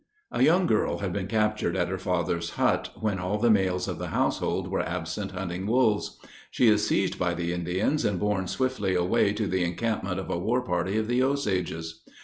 A young girl has been captured at her father's hut, when all the males of the household are absent hunting wolves. She is seized by the Indians, and borne swiftly away to the encampment of a war party of the Osages.